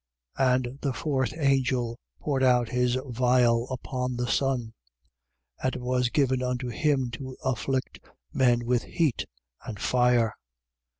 16:8. And the fourth angel poured out his vial upon the sun. And it was given unto him to afflict men with heat and fire.